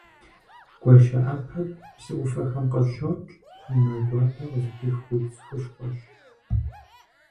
Гуащэӏэпэр псы ӏуфэхэм къыщокӏ, мэ гуакӏуэ къызыпих удз хущхъуэщ.